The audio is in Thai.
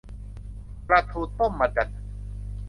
ปลาทูต้มมะดัน